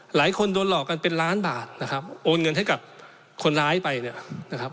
หลายคนโดนหลอกกันเป็นล้านบาทนะครับโอนเงินให้กับคนร้ายไปเนี่ยนะครับ